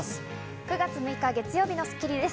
９月６日、月曜日の『スッキリ』です。